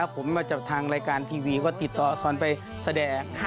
ผมมาจากทางรายการทีวีก็ติดต่อซอนไปแสดง